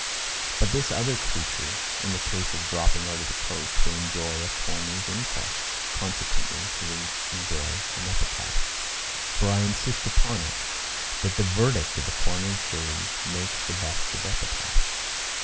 But this other creature, in the case of dropping out of the coach, will enjoy a coroner's inquest; consequently he will enjoy an epitaph. For I insist upon it, that the verdict of a coroner's jury makes the best of epitaphs.